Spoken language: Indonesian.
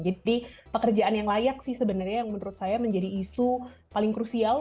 jadi pekerjaan yang layak sih sebenarnya yang menurut saya menjadi isu paling krusial